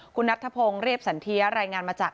คุณนัทธพงศ์เรียบสันเทียรายงานมาจาก